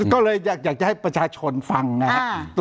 ก็เลยอยากจะให้ประชาชนฟังนะครับ